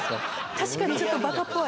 確かにちょっとバカっぽい。